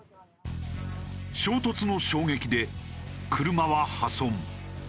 衝突の衝撃で車は破損。